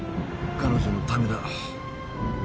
「彼女のためだ。